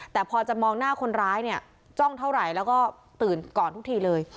แต่พอจะมองหน้าคนร้ายเนี่ยจ้องเท่าไหร่แล้วก็ตื่นก่อนทุกทีเลย